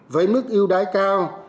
với mức ưu đái cao